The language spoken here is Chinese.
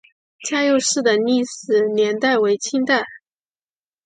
嘉佑寺的历史年代为清代。